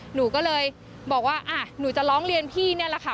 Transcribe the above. หนูก็เลยบอกว่าหนูจะร้องเรียนพี่นี่แหละค่ะ